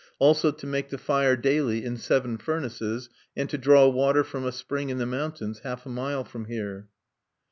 "Also to make the fire daily in seven furnaces, and to draw water from a spring in the mountains, half a mile from here."